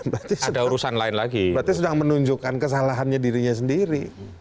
berarti sudah menunjukkan kesalahannya dirinya sendiri